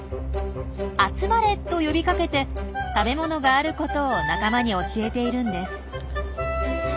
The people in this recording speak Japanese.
「集まれ！」と呼びかけて食べ物があることを仲間に教えているんです。